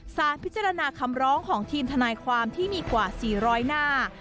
สารพิจารณาคำร้องของทีมทนายความที่มีกว่า๔๐๐หน้า